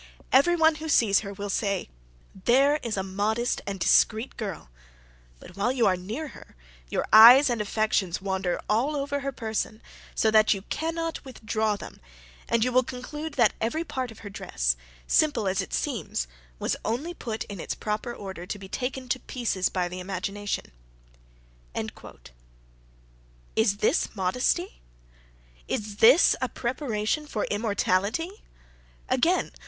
Every one who sees her, will say, There is a modest and discreet girl; but while you are near her, your eyes and affections wander all over her person, so that you cannot withdraw them; and you would conclude that every part of her dress, simple as it seems, was only put in its proper order to be taken to pieces by the imagination." Is this modesty? Is this a preparation for immortality? Again.